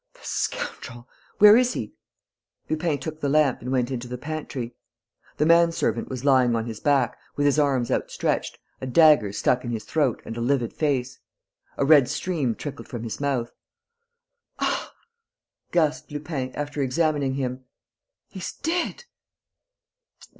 "The scoundrel! Where is he?" Lupin took the lamp and went into the pantry. The man servant was lying on his back, with his arms outstretched, a dagger stuck in his throat and a livid face. A red stream trickled from his mouth. "Ah," gasped Lupin, after examining him, "he's dead!"